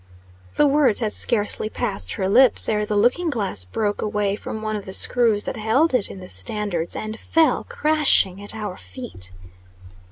The words had scarcely passed her lips, ere the looking glass broke away from one of the screws that held it in the standards, and fell, crashing, at our feet!